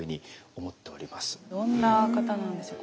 どんな方なんでしょう。